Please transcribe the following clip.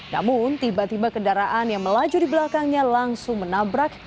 namun tiba tiba kendaraan yang melaju di belakangnya langsung menabrak